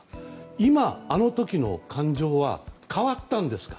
今、あの時の感情は変わったんですか？